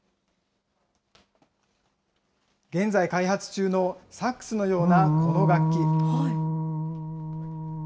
現在、開発中のサックスのようなこの楽器。